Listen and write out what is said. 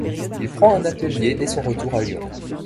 Il prend un atelier dès son retour à Lyon.